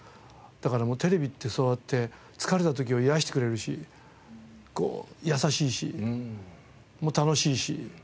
だからテレビってそうやって疲れた時は癒やしてくれるし優しいし楽しいし。